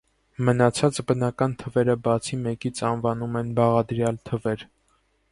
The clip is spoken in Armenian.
Մնացած բնական թվերը բացի մեկից անվանում են բաղադրյալ թվեր։